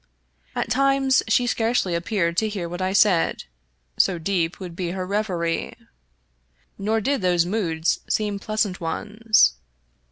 At times she scarcely appeared to hear what I said, so deep would be her reverie. Nor did those moods seem pleasant ones.